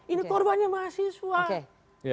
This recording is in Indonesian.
ini korbannya mahasiswa